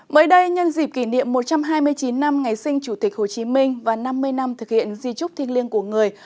mới đây nhân dịp kỷ niệm một trăm hai mươi chín năm ngày sinh chủ tịch hồ chí minh và năm mươi năm thực hiện di trúc thiêng liêng của người